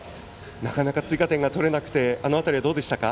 なかなか追加点が取れなくてあの辺りはどうでしたか？